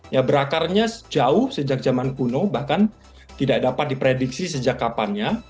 ya berakarnya jauh sejak zaman kuno bahkan tidak dapat diprediksi sejak kapannya